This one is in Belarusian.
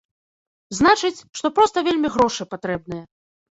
Значыць, што проста вельмі грошы патрэбныя.